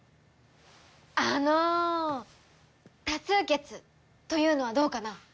あの多数決というのはどうかな？